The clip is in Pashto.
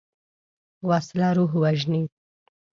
وسله روح وژني